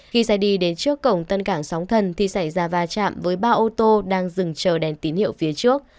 khi xe đi đến trước cổng tân cảng sóng thần thì xảy ra va chạm với ba ô tô đang dừng chờ đèn tín hiệu phía trước